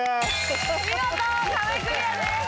見事壁クリアです。